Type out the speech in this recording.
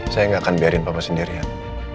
saya nggak akan biarin bapak sendirian